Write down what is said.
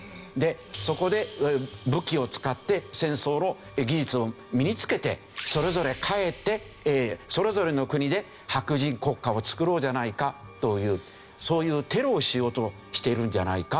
そこで武器を使って戦争の技術を身に付けてそれぞれ帰ってそれぞれの国で白人国家をつくろうじゃないかというそういうテロをしようとしているんじゃないか。